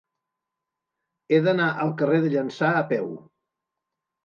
He d'anar al carrer de Llança a peu.